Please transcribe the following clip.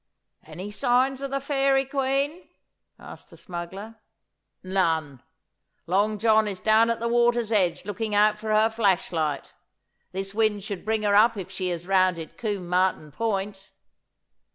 'Any signs of the Fairy Queen?' asked the smuggler. 'None. Long John is down at the water's edge looking out for her flash light. This wind should bring her up if she has rounded Combe Martin Point.